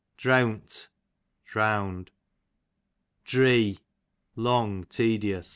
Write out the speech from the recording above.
Dreawnt, drowned. Dree, long, tedious.